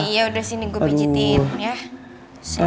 iya udah sini gue pijitin ya